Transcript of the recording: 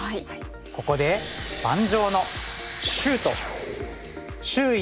ここで盤上のシュート！